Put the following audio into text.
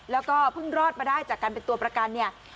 แล้วก็เพิ่งรอดมาได้จากการเป็นตัวประกันเนี่ย